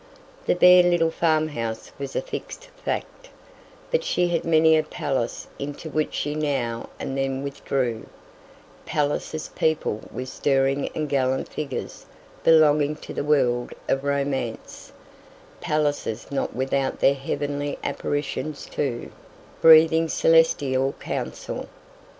The bare little farmhouse was a fixed fact, but she had many a palace into which she now and then withdrew; palaces peopled with stirring and gallant figures belonging to the world of romance; palaces not without their heavenly apparitions too, breathing celestial counsel.